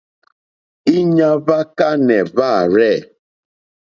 Íɲá hwá kánɛ̀ hwârzɛ̂.